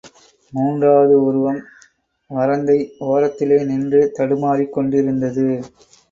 மூன்றாவது உருவம் வரந்தை ஓரத்திலே நின்று தடுமாறிக் கொண்டிருந்தது.